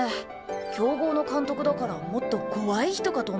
強豪の監督だからもっと怖い人かと思った。